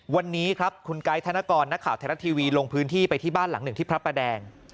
วันนี้ครับคุณไกด์ธนกรนักข่าวไทยรัฐทีวีลงพื้นที่ไปที่บ้านหลังหนึ่งที่พระประแดง